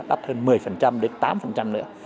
đắt hơn một mươi đến tám nữa